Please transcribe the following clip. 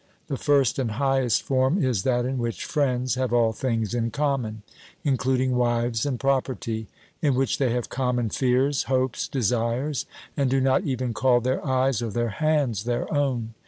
The first and highest form is that in which friends have all things in common, including wives and property, in which they have common fears, hopes, desires, and do not even call their eyes or their hands their own.